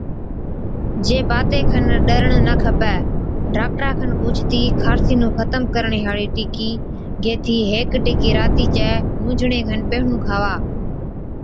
جي باتي کن ڏرڻ نہ کپَي، ڊاڪٽرا کن پُوڇتِي خارسي نُون ختم ڪرڻي هاڙِي ٽڪِي گيهٿِي هيڪ ٽِڪِي راتِي چَي نُونجھڻي کن پيهڻُون کاوا۔